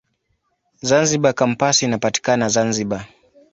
Zanzibar Kampasi inapatikana Zanzibar.